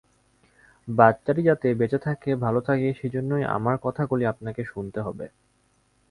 বাচ্চাটি যাতে বেঁচে থাকে, ভালো থাকে, সেজন্যেই আমার কথাগুলি আপনাকে শুনতে হবে।